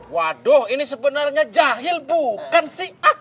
waduh ini sebenarnya jahil bukan si a